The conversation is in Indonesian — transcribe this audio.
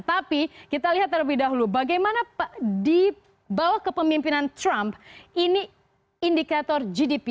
tapi kita lihat terlebih dahulu bagaimana di bawah kepemimpinan trump ini indikator gdp